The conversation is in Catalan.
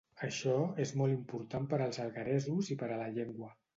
Això és molt important per als algueresos i per a la llengua.